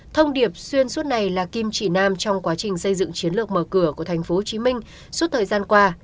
thông điệp xuyên suốt này là kim chỉ nam trong quá trình xây dựng chiến lược mở cửa của tp hcm suốt thời gian qua